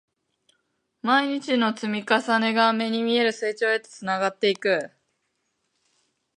毎日の積み重ねが、目に見える成長へとつながっていく